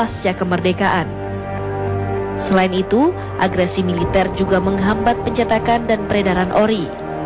selain itu agresi militer juga menghambat pencetakan dan peredaran ori